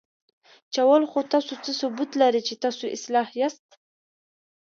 چې اول خو تاسو څه ثبوت لرئ، چې تاسو اصلاح یاست؟